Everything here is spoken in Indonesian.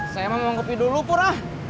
saya mah mau ngopi dulu pur ah